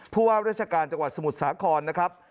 ผู้ว่าราชการจังหวัดสมุทรสาครนะครับ